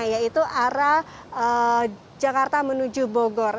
yaitu arah jakarta menuju bogor